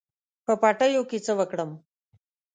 په پټیو کې څه وکړم.